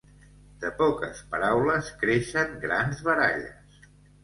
De poques paraules creixen grans baralles.